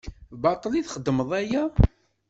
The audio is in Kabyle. Baṭel i txeddmeḍ aya?